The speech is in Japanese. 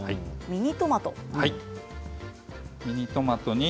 ミニトマトに。